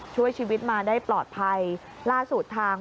ช่วยชีวิตมาได้ปลอดภัยล่าสุดทาง